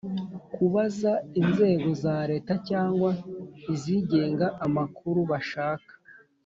kubaza inzego za Leta cyangwa izigenga amakuru bashaka.